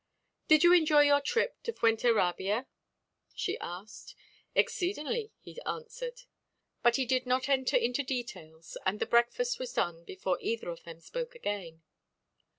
"Did you enjoy your trip to Fuenterrabia?" she asked. "Exceedingly," he answered. But he did not enter into details and the breakfast was done before either of them spoke again.